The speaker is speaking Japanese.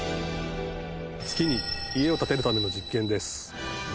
月に家を建てるための実験です。